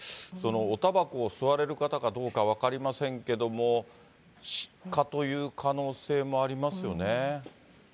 おたばこを吸われる方かどうか分かりませんけども、失火という可能性もありますよね。